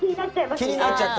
気になっちゃった。